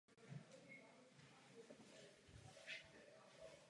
K porodu dochází většinou v únoru nebo březnu.